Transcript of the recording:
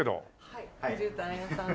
はい。